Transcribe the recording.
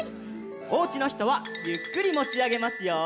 おうちのひとはゆっくりもちあげますよ。